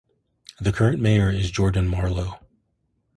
The current mayor is Jordan Marlowe.